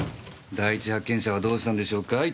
第一発見者はどうしたんでしょうか？